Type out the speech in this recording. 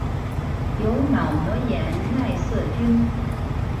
由脑膜炎奈瑟菌。